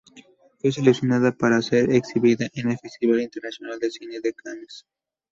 Fue seleccionada para ser exhibida en el Festival Internacional de Cine de Cannes.